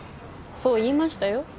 そう言いましたよ